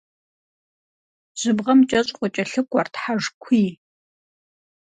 Жьыбгъэм кӏэщӏу къыкӏэлъыкӏуэрт хьэжкуий.